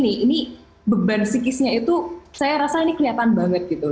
ini beban psikisnya itu saya rasa ini kelihatan banget gitu